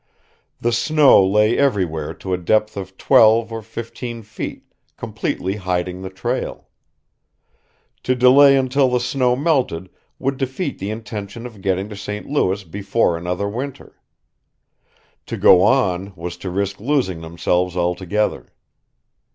The snow lay everywhere to a depth of twelve or fifteen feet, completely hiding the trail. To delay until the snow melted would defeat the intention of getting to St. Louis before another winter. To go on was to risk losing themselves altogether.